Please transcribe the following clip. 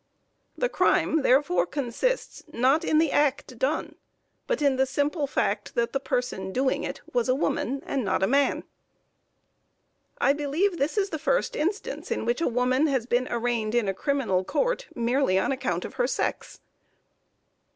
The crime therefore consists not in the act done, but in the simple fact that the person doing it was a woman and not a man. I believe this is the first instance in which a woman has been arraigned in a criminal court, merely on account of her sex.